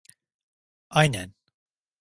Aynen!